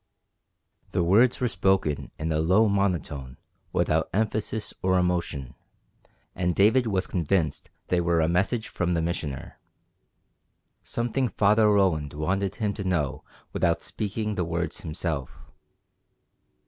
The words were spoken in a low monotone without emphasis or emotion, and David was convinced they were a message from the Missioner, something Father Roland wanted him to know without speaking the words himself.